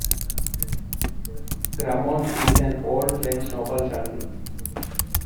Gramont is an old French noble family.